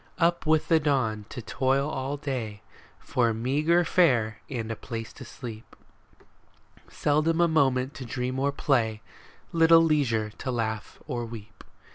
Up with the dawn to toil all day For meagre fare and a place to sleep ; Seldom a moment to dream or play, Little leisure to laugh or weep.